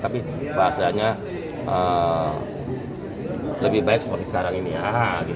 tapi bahasanya lebih baik seperti sekarang ini ya